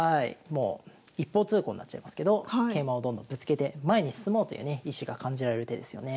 もう一方通行になっちゃいますけど桂馬をどんどんぶつけて前に進もうというね意志が感じられる手ですよね。